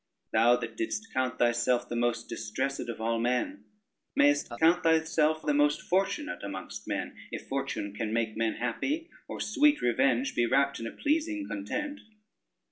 Thou that didst count thyself the most distressed of all men, mayest account thyself the most fortunate amongst men, if Fortune can make men happy, or sweet revenge be wrapped in a pleasing content.